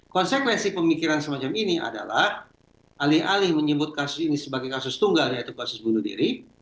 konsekuensi pemikiran semacam ini adalah alih alih menyebut kasus ini sebagai kasus tunggal yaitu kasus bunuh diri